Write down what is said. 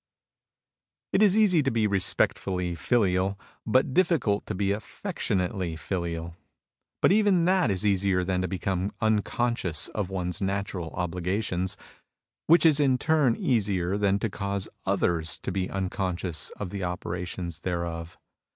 It is easy to be respectfully filial, but difficult to be affectionately filial. But even that is easier than to become unconscious of one's natural obligations, which is in turn easier than to cause others to be unconscious of the opera tions thereof.